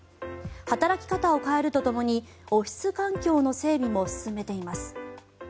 働き方を変えるとともにオフィス環境の整備も進めています。